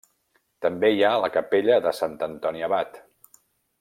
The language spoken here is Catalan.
També hi ha la capella de Sant Antoni Abat.